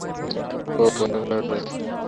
ও coin ভান্ডারের ওখানে আছে।